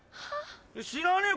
知らねえよ